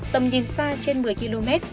tầm nhìn xa trên một mươi km